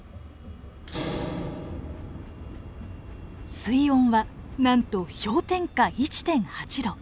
水温はなんと氷点下１．８度。